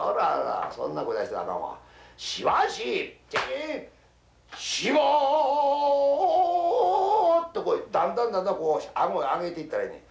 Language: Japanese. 「しば」とこうだんだんだんだんこう顎上げていったらええねん。